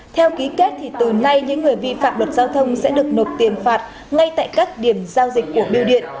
theo ký kết thì từ nay những người vi phạm luật giao thông sẽ được nộp tiền phạt ngay tại các điểm giao dịch của biêu điện